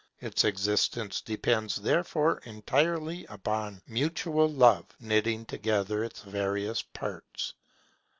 Its existence depends therefore entirely upon mutual Love knitting together its various parts.